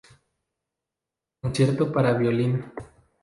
Concierto para violín.